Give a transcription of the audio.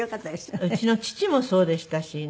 うちの父もそうでしたしね